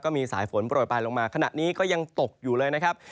มีสายฝนโปรยปลายลงมาขณะนี้ก็ยังตกอยู่เลยนะครับ